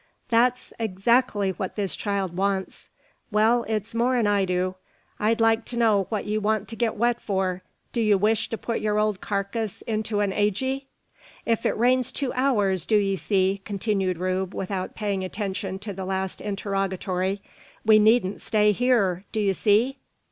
"That's adzactly what this child wants." "Well, it's more 'n I do. I'd like to know what ye want to git wet for. Do ye wish to put your old carcass into an agey?" "If it rains two hours, do 'ee see," continued Rube, without paying attention to the last interrogatory, "we needn't stay hyur, do 'ee see?"